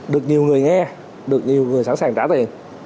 được nhiều người nghe được nhiều người sẵn sàng trả về